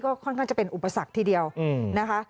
ค่อนข้างจะเป็นอุปสรรคทีเดียวนะคะ